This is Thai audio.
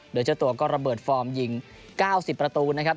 โดยเจ้าตัวก็ระเบิดฟอร์มยิง๙๐ประตูนะครับ